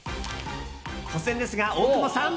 突然ですが、大久保さん。